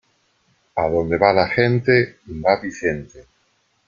Adonde va la gente, va Vicente.